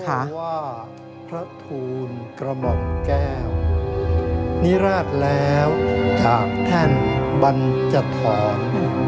หาว่าพระทูลกระหม่อมแก้วนิราชแล้วจากแท่นบัญจทร